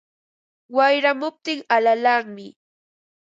Wayramuptin alalanmi